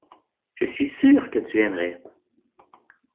Je suis sûr que tu aimerais.